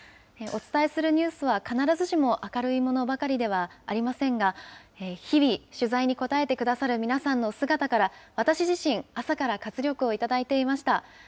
お伝えするニュースは必ずしも明るいものばかりではありませんが、日々、取材に応えてくださる皆さんの姿から、私自身、朝から活力を頂いていました。